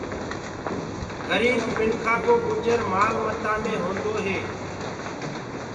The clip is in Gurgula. گريب منکآ ڪو گُجر مآل متآ مي هوندو هي۔